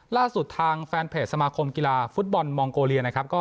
ล่าสุดทางแฟนเพจสมาคมกีฬาฟุตบอลมองโกเลียนะครับ